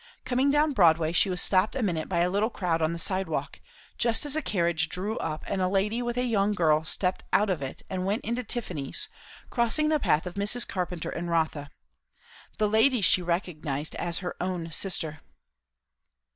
Coming down Broadway, she was stopped a minute by a little crowd on the sidewalk, just as a carriage drew up and a lady with a young girl stepped out of it and went into Tiffany's; crossing the path of Mrs. Carpenter and Rotha. The lady she recognized as her own sister.